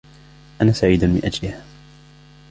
أنا سعيد مِن أجلِها.